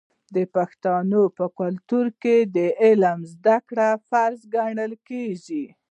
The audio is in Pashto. د پښتنو په کلتور کې د علم زده کړه فرض ګڼل کیږي.